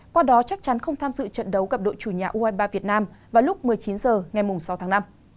qua đó chắc chắn không tham dự trận đấu gặp đội chủ nhà u hai mươi ba việt nam vào lúc một mươi chín h ngày sáu tháng năm